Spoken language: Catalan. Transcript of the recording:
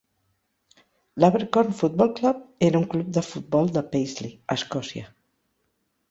L'Abercorn Football Club era un club de futbol de Paisley, Escòcia.